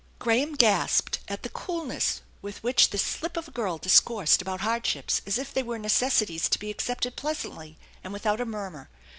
Graham gasped at the coolness with which this slip of a girl discoursed about hardships as if they were necessities to be accepted pleasantly and without a murmur.